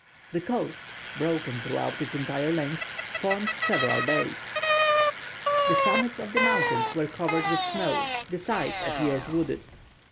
The coast, broken throughout its entire length, formed several bays. The summits of the mountains were covered with snow; the sides appeared wooded."